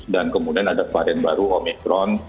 dan kemudian ada varian baru omicron